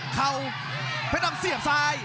เข่าเพชรดำเสียบซ้าย